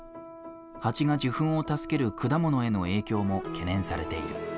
ハチが受粉を助ける果物への影響も懸念されている。